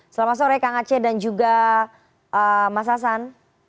selamat sore kang aceh dan juga mas hasan